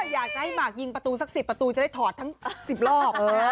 อยากจะให้หมากยิงประตูสัก๑๐ประตูจะได้ถอดทั้ง๑๐รอบ